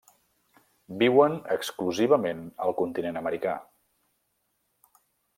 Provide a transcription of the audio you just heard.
Viuen exclusivament al continent americà.